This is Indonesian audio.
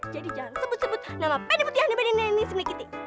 jadi jangan sebut sebut nama feni putri ahni beni nenek ini